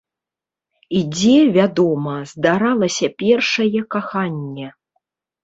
І дзе, вядома, здаралася першае каханне.